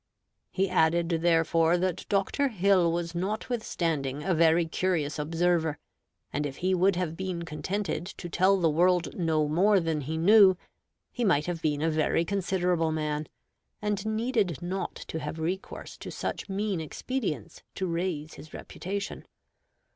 He added, therefore, that Dr. Hill was notwithstanding a very curious observer; and if he would have been contented to tell the world no more than he knew, he might have been a very considerable man, and needed not to have recourse to such mean expedients to raise his reputation.